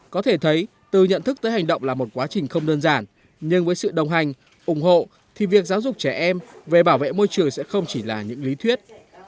có thể thấy từ nhận thức tới hành động là một quá trình không đơn giản nhưng với sự đồng hành ủng hộ thì việc giáo dục trẻ em về bảo vệ môi trường sẽ không chỉ là những lý thuyết